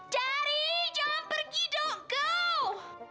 dari jangan pergi dok go